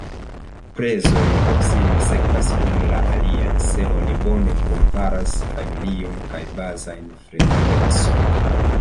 Prezoj proksime sekvas unu la alian, se oni bone komparas familion kaj bazajn frekvencojn.